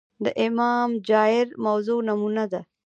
د امام جائر موضوع نمونه ده